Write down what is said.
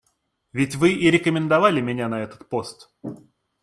Ведь вы и рекомендовали меня на этот пост.